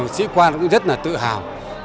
sĩ quan cũng rất là tự hào